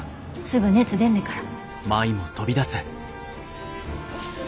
すぐ熱出んねから。